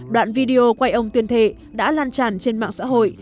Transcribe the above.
đoạn video quay ông tuyên thệ đã lan tràn trên mạng xã hội